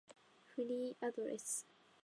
フリーアドレス